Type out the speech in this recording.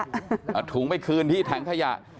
เอาถุงไปคืนที่ถังขยะ